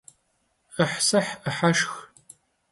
'ıhsıh 'ıheşşx.